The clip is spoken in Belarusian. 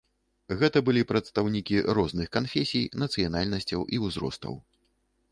Гэта былі прадстаўнікі розных канфесій, нацыянальнасцяў і узростаў.